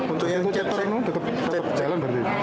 untuk yang caturno tetap jalan berarti